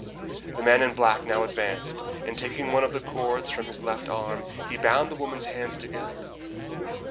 The man in black now advanced, and taking one of the cords from his left arm, he bound the woman's hands together.